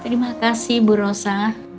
terima kasih ibu rosa